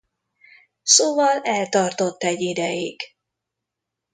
Szóval eltartott egy ideig.